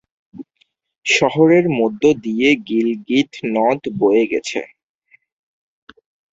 শহরের মধ্য দিয়ে গিলগিত নদ বয়ে গেছে।